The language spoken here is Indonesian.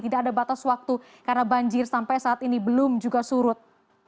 tidak ada batas waktu karena banjir sampai saat ini belum juga surut